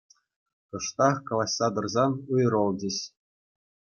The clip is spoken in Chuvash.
Кӑштах калаҫса тӑрсан уйрӑлчӗҫ.